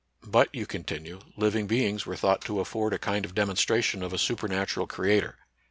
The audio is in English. But, you continue, living beings were thought to afford a kind of demonstration of a supernatural creator.